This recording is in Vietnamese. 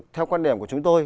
theo quan điểm của chúng tôi